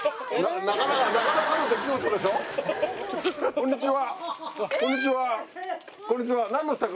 こんにちは。